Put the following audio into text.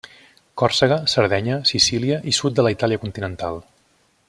Còrsega, Sardenya, Sicília i sud de la Itàlia continental.